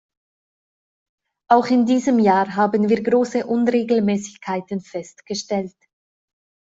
Auch in diesem Jahr haben wir große Unregelmäßigkeiten festgestellt.